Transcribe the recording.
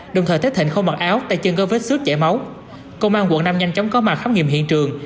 đồng thời thấy thịnh không mặc áo tay chân go vết xước chảy máu công an quận năm nhanh chóng có mặt khám nghiệm hiện trường